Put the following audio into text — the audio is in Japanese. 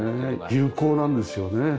有効なんですよね。